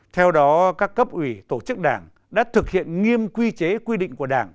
theo đó các cấp ủy tổ chức đảng đã thực hiện nghiêm quy chế quy định của đảng